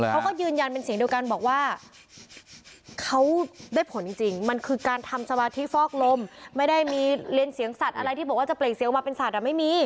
เขาก็ยืนยันเป็นเสียงเดียวกันบอกว่าเขาได้ผลจริงมันคือการทำสมาธิฟอกลมไม่ได้มีเรียนเสียงสัตว์อะไรที่บอกว่าจะเปล่งเสียงออกมาเป็นสัตว์ไม่มี